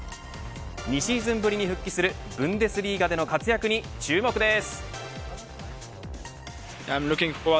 ２シーズンぶりに復帰するブンデスリーガでの活躍に注目です。